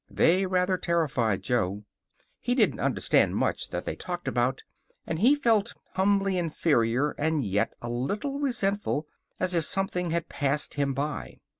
They rather terrified Jo. He didn't understand much that they talked about, and he felt humbly inferior, and yet a little resentful, as if something had passed him by.